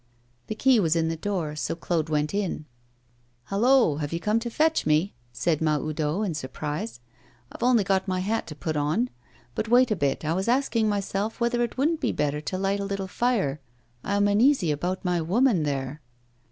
The key was in the door, so Claude went in. 'Hallo! have you come to fetch me?' said Mahoudeau, in surprise. 'I've only got my hat to put on. But wait a bit, I was asking myself whether it wouldn't be better to light a little fire. I am uneasy about my woman there.